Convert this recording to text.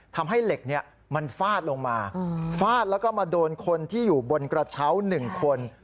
ทำให้เหล็กมันฟาดลงมาฟาดแล้วก็มาโดนคนที่อยู่บนกระเช้า๑คน